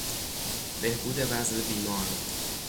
بهبود وضع بیمار